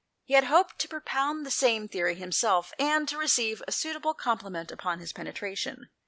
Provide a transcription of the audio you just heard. He had hoped to propound the same theory himself, and to receive a suitable compliment upon his penetration.